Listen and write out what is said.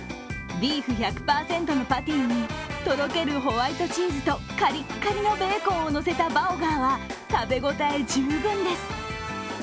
ビーフ１００％のパティにとろけるホワイトチーズと、カリッカリのベーコンをのせたバオガーは食べ応え十分です。